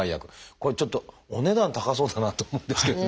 これちょっとお値段高そうだなと思うんですけどもいかがですか？